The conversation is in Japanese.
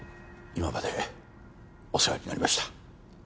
今までお世話になりました